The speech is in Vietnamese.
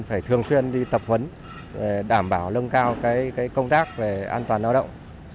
phải thường xuyên đi tập huấn để đảm bảo lưng cao công tác về an toàn lao động